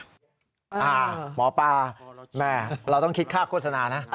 หมอปลาแม่เราต้องคิดค่าโฆษณานะ